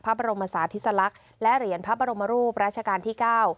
พระบรมศาสติสลักษณ์และเหรียญพระบรมรูปรัชกาลที่๙